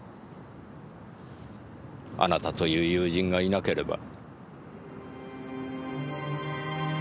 あなたという友人がいなければ。